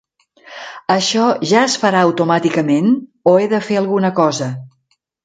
Això ja es farà automàticament o he de fer alguna cosa?